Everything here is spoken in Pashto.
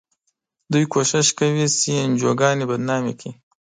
دوی کوښښ کوي چې انجوګانې بدنامې کړي.